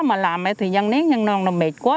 mà làm thì dân nét nhưng mà mệt quá